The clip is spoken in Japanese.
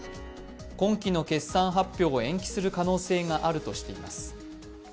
今期の決算発表を延期する可能性があるとしています。